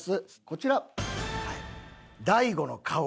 こちら。